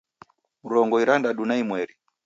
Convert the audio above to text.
Mrongo irandadu na imweri